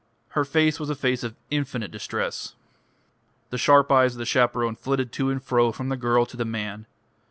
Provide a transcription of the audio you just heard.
Her face was a face of infinite distress. The sharp eyes of the chaperone flitted to and fro from the girl to the man.